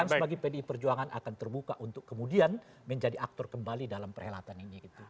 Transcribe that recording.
bukan sebagai pdi perjuangan akan terbuka untuk kemudian menjadi aktor kembali dalam perhelatan ini gitu